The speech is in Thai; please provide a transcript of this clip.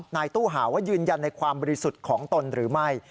นายตู้หาว่ายืนยันในความบริสุทธิ์ของตนหรือไม่